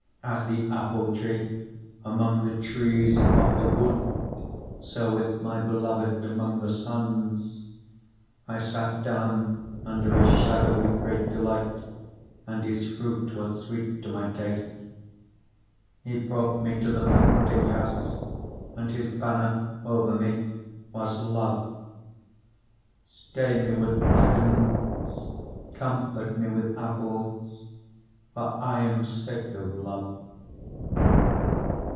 2:3 As the apple tree among the trees of the wood, so is my beloved among the sons. I sat down under his shadow with great delight, and his fruit was sweet to my taste. 2:4 He brought me to the banqueting house, and his banner over me was love. 2:5 Stay me with flagons, comfort me with apples: for I am sick of love.